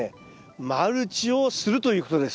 マルチをするということです。